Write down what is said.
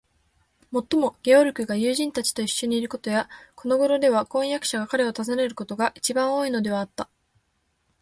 もっとも、ゲオルクが友人たちといっしょにいることや、このごろでは婚約者が彼を訪ねることが、いちばん多いのではあった。